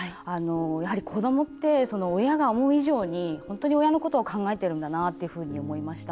やはり子どもって親が思う以上に本当に親のことを考えているんだなっていうふうに思いました。